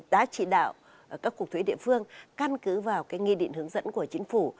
đã chỉ đạo các cục thuế địa phương căn cứ vào nghị định hướng dẫn của chính phủ